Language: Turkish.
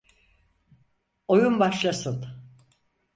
Oyun başlasın.